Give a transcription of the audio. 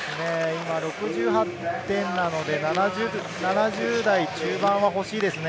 ６８点なので、７０台中盤がほしいですね。